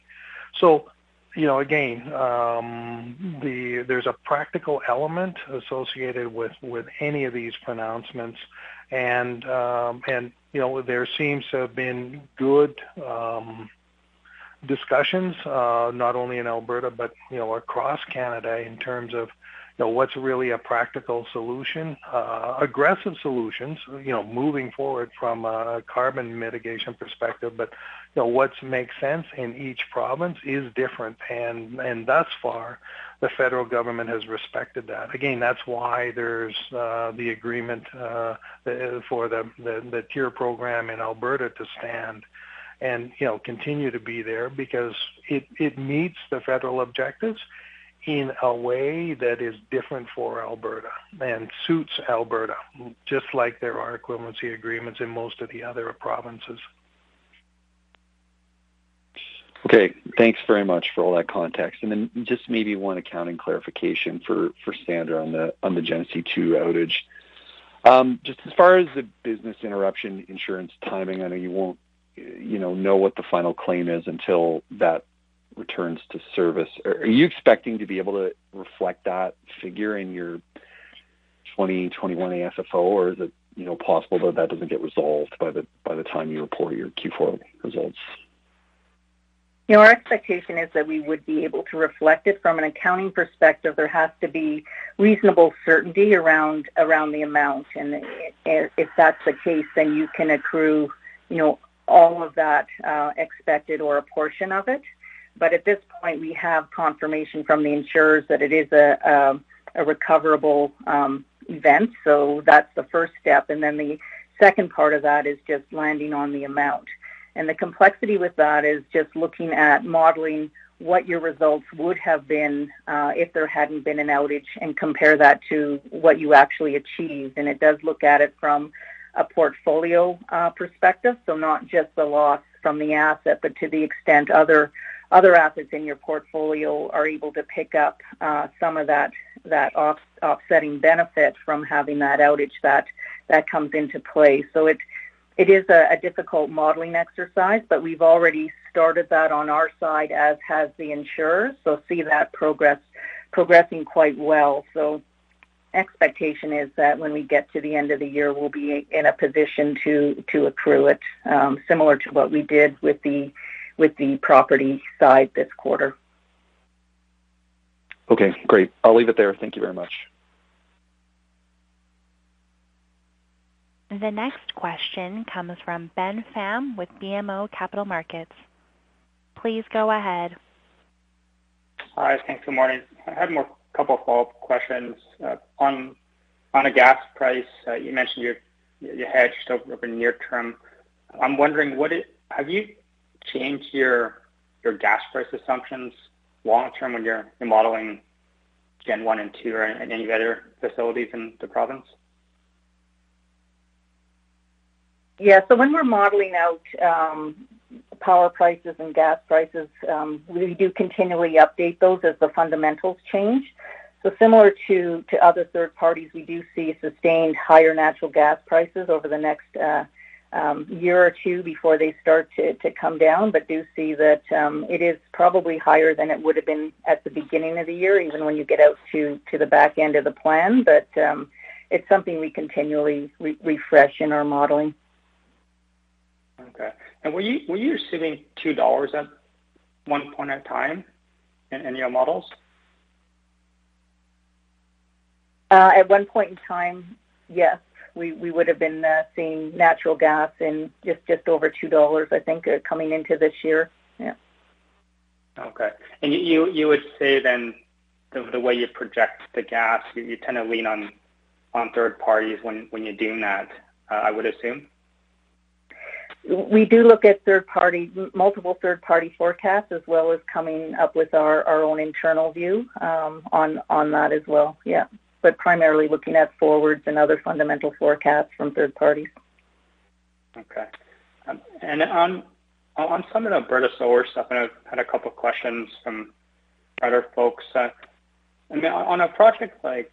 You know, again, the there's a practical element associated with any of these pronouncements. You know, there seems to have been good discussions, not only in Alberta but, you know, across Canada in terms of, you know, what's really a practical solution. Aggressive solutions, you know, moving forward from a carbon mitigation perspective. You know, what makes sense in each province is different. Thus far, the federal government has respected that. Again, that's why there's the agreement for the TIER program in Alberta to stand and, you know, continue to be there because it meets the federal objectives in a way that is different for Alberta and suits Alberta, just like there are equivalency agreements in most of the other provinces. Okay. Thanks very much for all that context. Then just maybe one accounting clarification for Sandra on the Genesee 2 outage. Just as far as the business interruption insurance timing, I know you won't, you know what the final claim is until that returns to service. Are you expecting to be able to reflect that figure in your 2021 AFFO? Or is it, you know, possible that that doesn't get resolved by the time you report your Q4 results? You know, our expectation is that we would be able to reflect it. From an accounting perspective, there has to be reasonable certainty around the amount. If that's the case, then you can accrue, you know, all of that expected or a portion of it. At this point, we have confirmation from the insurers that it is a recoverable event. That's the first step. Then the second part of that is just landing on the amount. The complexity with that is just looking at modeling what your results would have been if there hadn't been an outage and compare that to what you actually achieved. It does look at it from a portfolio perspective. Not just the loss from the asset, but to the extent other assets in your portfolio are able to pick up some of that offsetting benefit from having that outage that comes into play. It is a difficult modeling exercise, but we've already started that on our side, as has the insurer. We see that progressing quite well. Expectation is that when we get to the end of the year, we'll be in a position to accrue it, similar to what we did with the property side this quarter. Okay, great. I'll leave it there. Thank you very much. The next question comes from Ben Pham with BMO Capital Markets. Please go ahead. Hi. Thanks. Good morning. I have a couple more follow-up questions. On a gas price, you mentioned your hedge over the near term. I'm wondering, have you changed your gas price assumptions long term when you're modeling Genesee 1 and 2 or any other facilities in the province? When we're modeling out power prices and gas prices, we do continually update those as the fundamentals change. Similar to other third parties, we do see sustained higher natural gas prices over the next year or two before they start to come down. We do see that it is probably higher than it would have been at the beginning of the year, even when you get out to the back end of the plan. It's something we continually refresh in our modeling. Okay. Were you assuming 2 dollars at one point at a time in your models? At one point in time, yes. We would have been seeing natural gas in just over 2 dollars, I think, coming into this year. Yeah. Okay. You would say then the way you project the gas, you kind of lean on third parties when you're doing that, I would assume? We do look at multiple third-party forecasts as well as coming up with our own internal view on that as well. Yeah. Primarily looking at forwards and other fundamental forecasts from third parties. Okay. On some of the Alberta solar stuff, I know I had a couple of questions from other folks. I mean, on a project like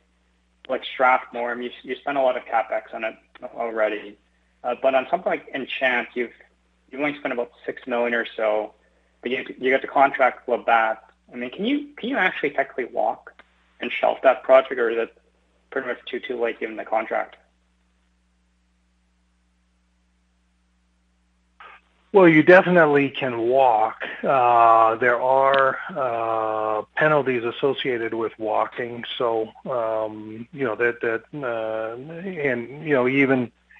Strathmore, I mean, you spent a lot of CapEx on it already. On something like Enchant, you only spent about 6 million or so, but you got the contract for that. I mean, can you actually technically walk and shelf that project, or is it pretty much too late given the contract? Well, you definitely can walk. There are penalties associated with walking. So, you know, that. You know,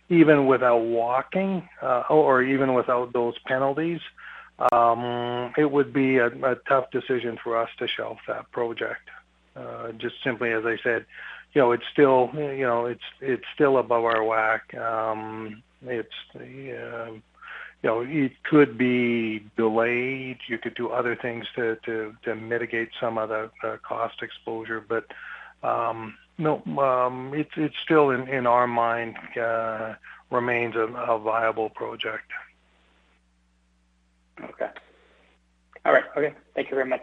even without walking, or even without those penalties, it would be a tough decision for us to shelf that project. Just simply as I said, you know, it's still above our WACC. You know, it could be delayed. You could do other things to mitigate some of the cost exposure. No, it's still in our mind remains a viable project. Okay. All right. Okay. Thank you very much.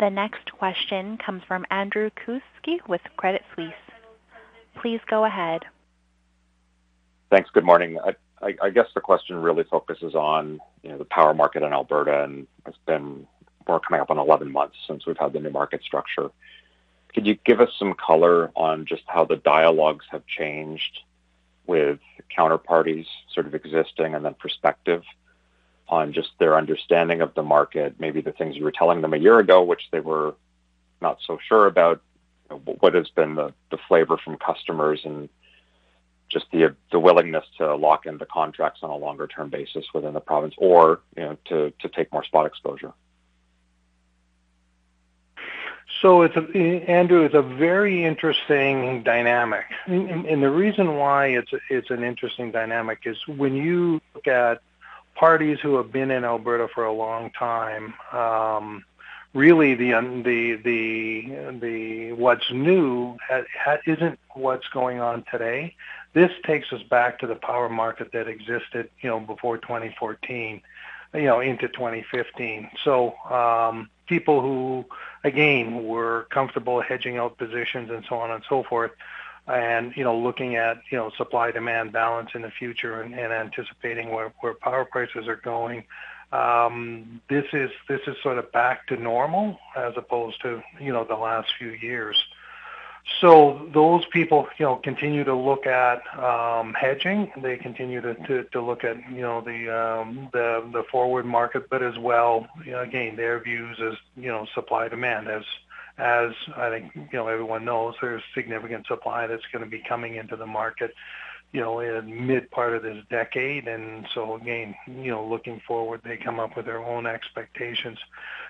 The next question comes from Andrew Kuske with Credit Suisse. Please go ahead. Thanks. Good morning. I guess the question really focuses on, you know, the power market in Alberta, and it's been more coming up on 11 months since we've had the new market structure. Could you give us some color on just how the dialogues have changed with counterparties sort of existing and then prospective on just their understanding of the market? Maybe the things you were telling them a year ago, which they were not so sure about, what has been the flavor from customers and just the willingness to lock in the contracts on a longer-term basis within the province or, you know, to take more spot exposure. It's, Andrew, it's a very interesting dynamic. The reason why it's an interesting dynamic is when you look at parties who have been in Alberta for a long time, really the what's new isn't what's going on today. This takes us back to the power market that existed, you know, before 2014, you know, into 2015. People who, again, were comfortable hedging out positions and so on and so forth, you know, looking at, you know, supply-demand balance in the future and anticipating where power prices are going. This is sort of back to normal as opposed to, you know, the last few years. Those people, you know, continue to look at hedging. They continue to look at, you know, the forward market. As well, again, their views is, you know, supply-demand. As I think, you know, everyone knows, there's significant supply that's going to be coming into the market, you know, in mid part of this decade. Again, you know, looking forward, they come up with their own expectations.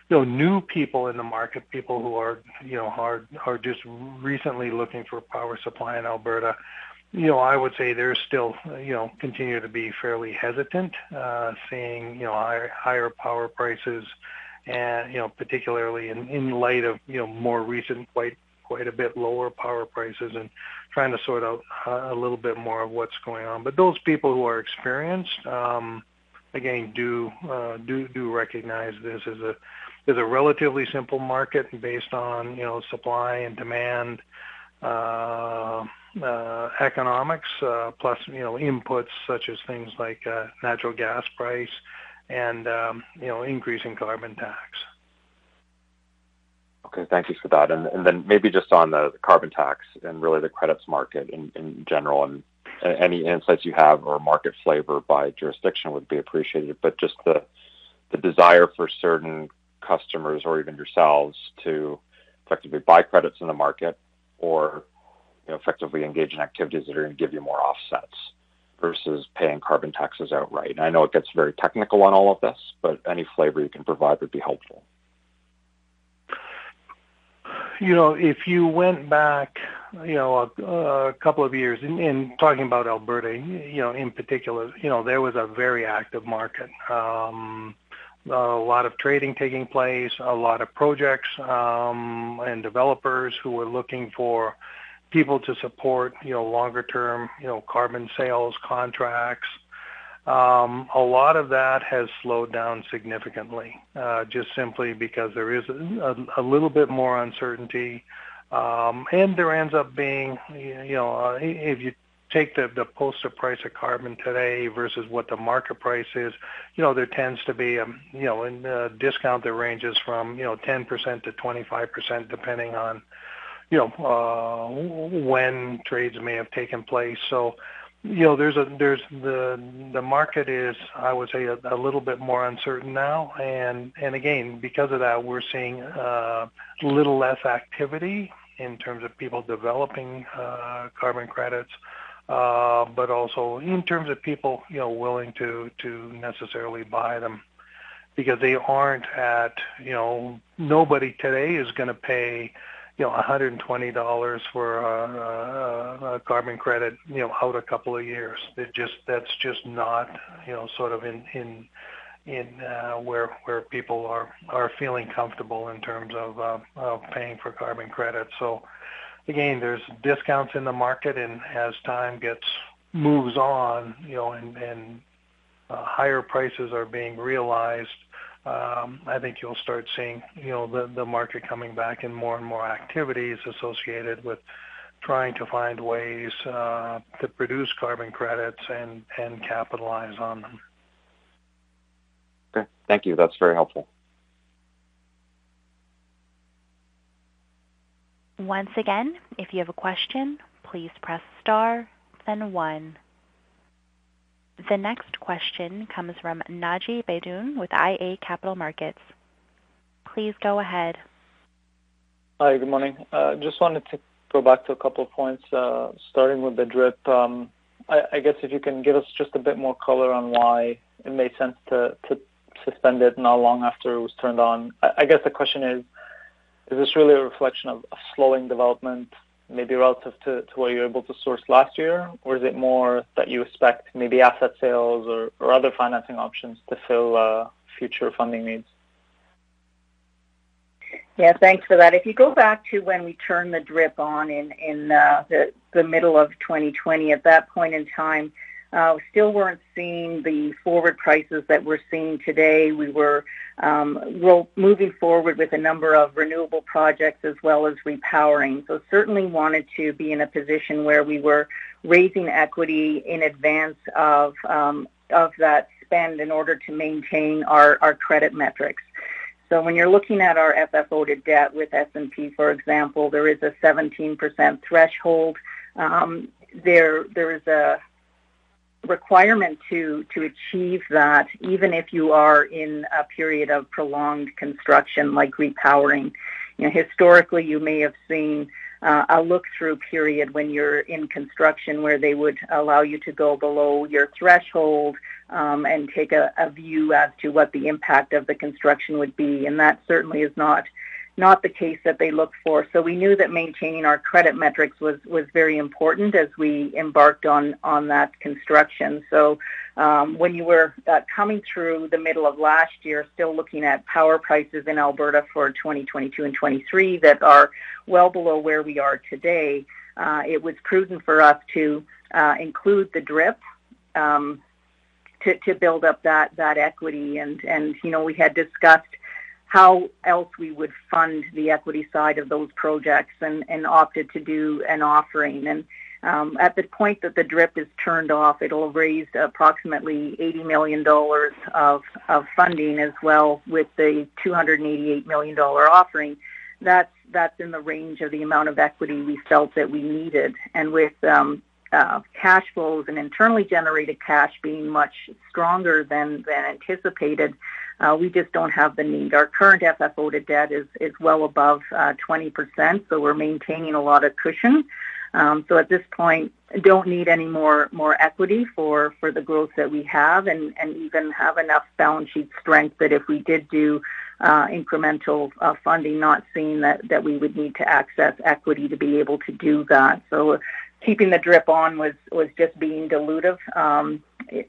New people in the market, people who are, you know, are just recently looking for power supply in Alberta. You know, I would say they're still, you know, continue to be fairly hesitant, seeing, you know, higher power prices. You know, particularly in light of, you know, more recent, quite a bit lower power prices and trying to sort out a little bit more of what's going on. Those people who are experienced, again, do recognize this as a relatively simple market based on, you know, supply and demand, economics, plus, you know, inputs such as things like natural gas price and, you know, increase in carbon tax. Okay, thank you for that. Then maybe just on the carbon tax and really the credits market in general, and any insights you have or market flavor by jurisdiction would be appreciated. Just the desire for certain customers or even yourselves to effectively buy credits in the market or effectively engage in activities that are going to give you more offsets versus paying carbon taxes outright. I know it gets very technical on all of this, but any flavor you can provide would be helpful. You know, if you went back, you know, a couple of years in talking about Alberta, you know, in particular, you know, there was a very active market. A lot of trading taking place, a lot of projects, and developers who were looking for people to support, you know, longer-term, you know, carbon sales contracts. A lot of that has slowed down significantly, just simply because there is a little bit more uncertainty. There ends up being, you know, if you take the posted price of carbon today versus what the market price is, you know, there tends to be, you know, a discount that ranges from, you know, 10%-25%, depending on, you know, when trades may have taken place. You know, the market is, I would say, a little bit more uncertain now. Again, because of that, we're seeing a little less activity in terms of people developing carbon credits. But also in terms of people, you know, willing to necessarily buy them. Because they aren't at, you know, nobody today is going to pay, you know, 120 dollars for a carbon credit, you know, out a couple of years. That's just not, you know, sort of in where people are feeling comfortable in terms of paying for carbon credits. Again, there's discounts in the market, and as time moves on, you know, and higher prices are being realized. I think you'll start seeing, you know, the market coming back and more and more activities associated with trying to find ways to produce carbon credits and capitalize on them. Okay. Thank you. That's very helpful. Once again, if you have a question, please press star then one. The next question comes from Naji Baydoun with iA Capital Markets. Please go ahead. Hi. Good morning. Just wanted to go back to a couple of points, starting with the DRIP. I guess if you can give us just a bit more color on why it made sense to suspend it not long after it was turned on. I guess the question is, Is this really a reflection of slowing development maybe relative to what you're able to source last year? Or is it more that you expect maybe asset sales or other financing options to fill future funding needs? Yeah, thanks for that. If you go back to when we turned the DRIP on in the middle of 2020, at that point in time, we still weren't seeing the forward prices that we're seeing today. We were well moving forward with a number of renewable projects as well as repowering. Certainly, wanted to be in a position where we were raising equity in advance of that spend in order to maintain our credit metrics. When you're looking at our FFO-to-debt with S&P, for example, there is a 17% threshold. There is a requirement to achieve that even if you are in a period of prolonged construction like repowering. You know, historically, you may have seen a look-through period when you're in construction where they would allow you to go below your threshold and take a view as to what the impact of the construction would be. That certainly is not the case that they look for. We knew that maintaining our credit metrics was very important as we embarked on that construction. When you were coming through the middle of last year, still looking at power prices in Alberta for 2022 and 2023 that are well below where we are today, it was prudent for us to include the DRIP to build up that equity. You know, we had discussed how else we would fund the equity side of those projects and opted to do an offering. At the point that the DRIP is turned off, it'll raise approximately 80 million dollars of funding as well with the 288 million dollar offering. That's in the range of the amount of equity we felt that we needed. With cash flows and internally generated cash being much stronger than anticipated, we just don't have the need. Our current FFO-to-debt is well above 20%, so we're maintaining a lot of cushion. At this point, don't need any more equity for the growth that we have. Even have enough balance sheet strength that if we did do incremental funding, not seeing that we would need to access equity to be able to do that. Keeping the DRIP on was just being dilutive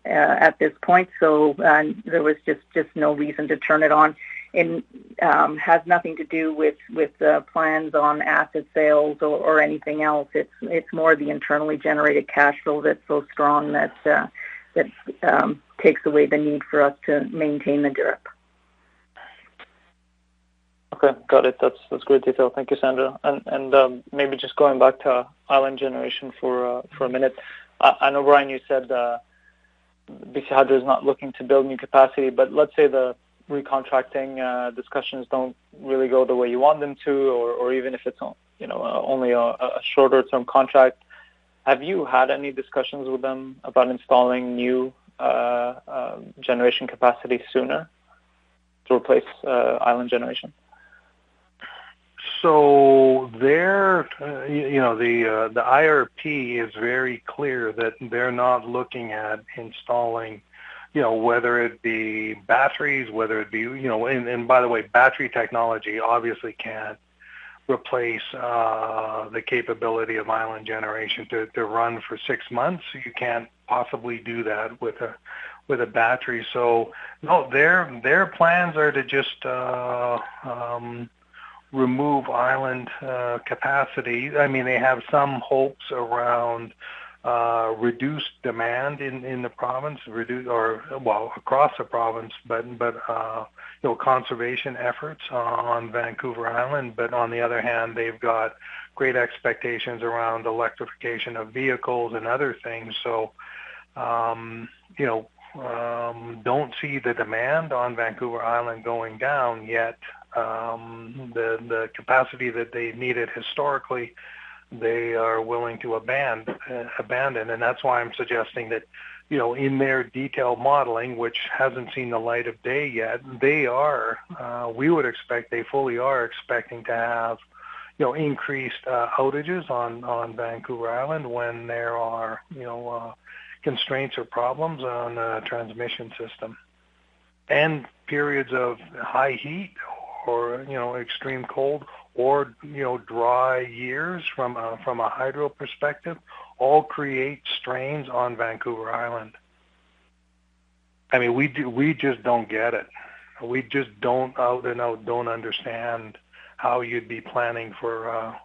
at this point. There was just no reason to turn it on. It has nothing to do with the plans on asset sales or anything else. It's more the internally generated cash flow that's so strong that takes away the need for us to maintain the DRIP. Okay. Got it. That's great detail. Thank you, Sandra. And maybe just going back to Island Generation for a minute. I know, Brian, you said BC Hydro is not looking to build new capacity. Let's say the recontracting discussions don't really go the way you want them to or even if it's, you know, only a shorter-term contract. Have you had any discussions with them about installing new generation capacity sooner to replace Island Generation? You know, the IRP is very clear that they're not looking at installing, you know, whether it be batteries, whether it be. By the way, battery technology obviously can't replace the capability of Island Generation to run for six months. You can't possibly do that with a battery. No, their plans are to just remove island capacity. I mean, they have some hopes around reduced demand in the province, across the province. You know, conservation efforts on Vancouver Island. On the other hand, they've got great expectations around electrification of vehicles and other things. You know, I don't see the demand on Vancouver Island going down yet. The capacity that they needed historically, they are willing to abandon. That's why I'm suggesting that, you know, in their detailed modeling, which hasn't seen the light of day yet, we would expect they fully are expecting to have, you know, increased outages on Vancouver Island when there are, you know, constraints or problems on the transmission system. Periods of high heat or, you know, extreme cold or, you know, dry years from a hydro perspective all create strains on Vancouver Island. I mean, we just don't get it. We just don't out and out understand how you'd be planning for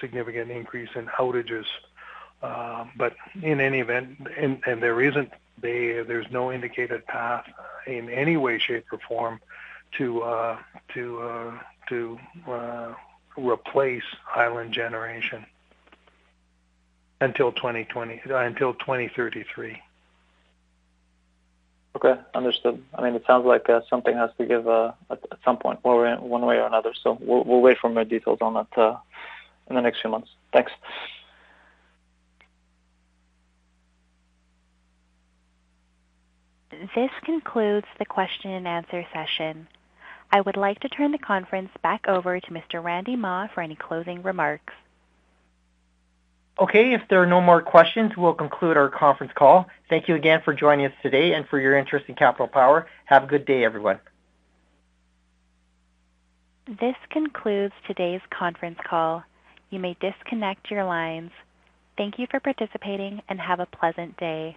significant increase in outages. In any event, there's no indicated path in any way, shape, or form to replace Island Generation until 2033. Okay. Understood. I mean, it sounds like something has to give at some point one way or another. So we'll wait for more details on that in the next few months. Thanks. This concludes the question-and-answer session. I would like to turn the conference back over to Mr. Randy Mah for any closing remarks. Okay. If there are no more questions, we'll conclude our conference call. Thank you again for joining us today and for your interest in Capital Power. Have a good day, everyone. This concludes today's conference call. You may disconnect your lines. Thank you for participating and have a pleasant day.